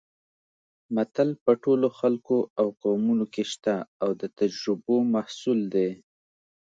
متل په ټولو خلکو او قومونو کې شته او د تجربو محصول دی